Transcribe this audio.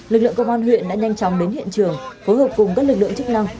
lực lượng công an huyện đã nhanh chóng đến hiện trường phối hợp cùng các lực lượng chức năng